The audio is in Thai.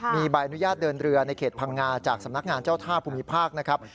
มีใบอนุญาตเดินเรือในเขตพังงาจากสำนักงานเจ้าท่าภูมิภาคนะครับ